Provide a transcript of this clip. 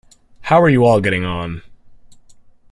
How are you all getting on?